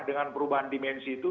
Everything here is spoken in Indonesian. dengan perubahan dimensi itu